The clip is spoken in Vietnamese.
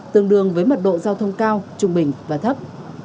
tương đương với mật độ giao thông cao trung bình và thấp